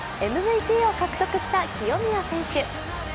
ＭＶＰを獲得した清宮選手。